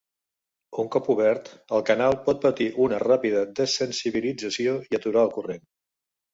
Un cop obert, el canal pot patir una ràpida dessensibilització, i aturar el corrent.